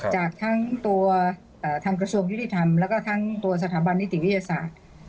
จากทั้งตัวทางกระทรวงยุติธรรมแล้วก็ทั้งตัวสถาบันนิติวิทยาศาสตร์